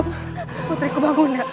putriku bang munda